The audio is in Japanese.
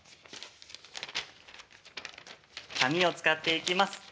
紙を使っていきます。